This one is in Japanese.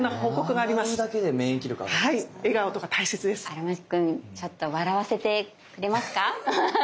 荒牧君ちょっと笑わせてくれますか？